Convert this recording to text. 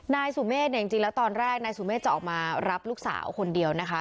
นายสุเมฆเนี่ยจริงแล้วตอนแรกนายสุเมฆจะออกมารับลูกสาวคนเดียวนะคะ